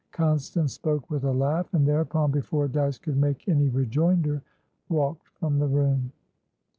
Constance spoke with a laugh, and thereupon, before Dyce could make any rejoinder, walked from the room.